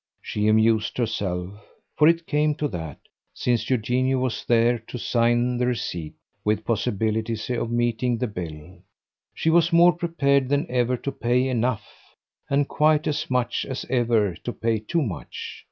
She amused herself for it came to that, since Eugenio was there to sign the receipt with possibilities of meeting the bill. She was more prepared than ever to pay enough, and quite as much as ever to pay too much.